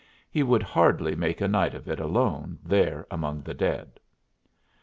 He would hardly make a night of it alone there among the dead.